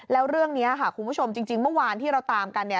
แล้วเรื่องนี้ค่ะคุณผู้ชมจริงเมื่อวานที่เราตามกันเนี่ย